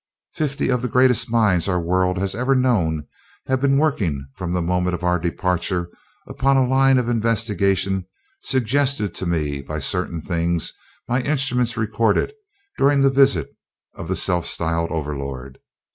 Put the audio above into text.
Fifty of the greatest minds our world has ever known have been working from the moment of our departure upon a line of investigation suggested to me by certain things my instruments recorded during the visit of the self styled Overlord.